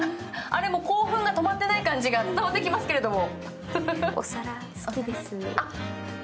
興奮が止まっていない感じが伝わってきますけれども。